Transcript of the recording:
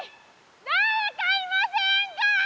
だれかいませんか？